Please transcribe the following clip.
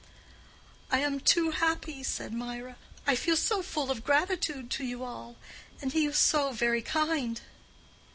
"I am too happy," said Mirah. "I feel so full of gratitude to you all; and he was so very kind."